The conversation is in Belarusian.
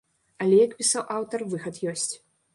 Але, як пісаў аўтар, выхад ёсць.